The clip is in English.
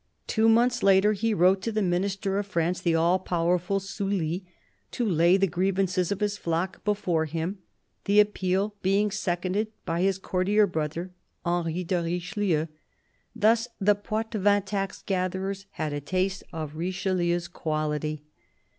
Two months later he wrote to the Minister of Finance, the all powerful Sully, to lay the grievances of his flock before him; the appeal being seconded by his courtier brother, Henry de Richelieu. Thus the Poitevin tax gatherers had a taste of Richelieu's quality.